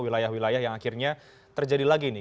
wilayah wilayah yang akhirnya terjadi lagi nih